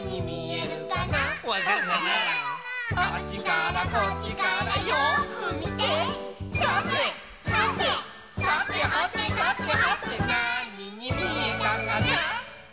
あっちからこっちからよくみてさてはてさてはてさてはてなににみえたかな